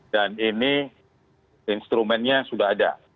dan ini instrumennya sudah ada